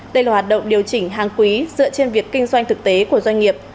đây là hoạt động điều chỉnh hàng quý dựa trên việc kinh doanh thực tế của doanh nghiệp